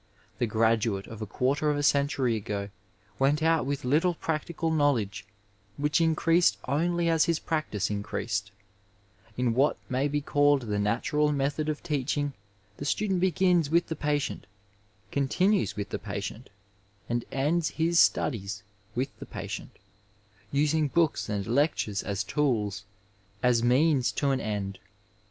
The graduate of a quarter of a century ago went out with little practical knowledge, which increased only as his practice increased; In what may be called the natural method of teaching the student begins with the patient, continues with the patient, and ends his studies with the patient, using books and lec tures as tools, as means to an end.